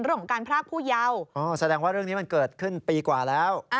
เรื่องของการพรากผู้เยาว์แสดงว่าเรื่องนี้มันเกิดขึ้นปีกว่าแล้ว